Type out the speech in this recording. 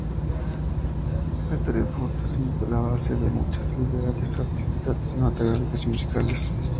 La historia de Fausto es la base de muchas literarias, artísticas, cinematográficas y musicales.